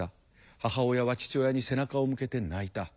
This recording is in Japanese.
母親は父親に背中を向けて泣いた。